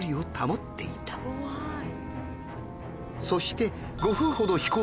そして何？